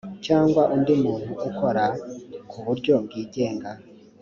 cyangwa undi muntu ukora ku buryo bwigenga